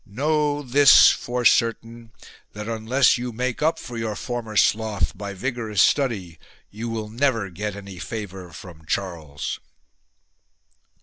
Know this for certain, that unless you make up for your former sloth by vigorous study, you will never get any favour from Charles."